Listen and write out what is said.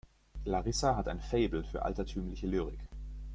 Larissa hat ein Faible für altertümliche Lyrik.